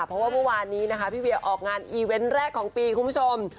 เพราะว่าเมื่อวานนี้นะคะพี่เวียออกงานอีเวนต์แรกของปีคุณผู้ชม